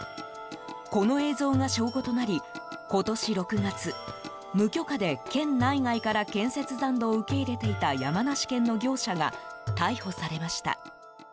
この映像が証拠となり、今年６月無許可で、県内外から建設残土を受け入れていた山梨県の業者が逮捕されました。